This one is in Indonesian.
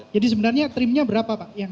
jadi sebenarnya trimnya berapa pak